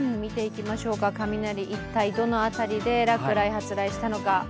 雷、一体どの辺りで落雷、発雷したのか。